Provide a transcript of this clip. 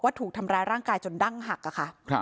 ถูกทำร้ายร่างกายจนดั้งหักค่ะ